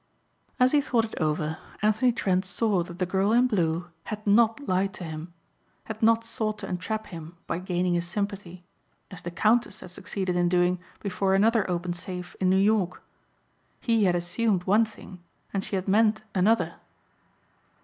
As he thought it over Anthony Trent saw that the girl in blue had not lied to him, had not sought to entrap him by gaining his sympathy as the "Countess" had succeeded in doing before another open safe in New York. He had assumed one thing and she had meant another.